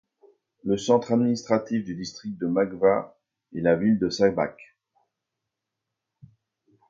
Le centre administratif du district de Mačva est la ville de Šabac.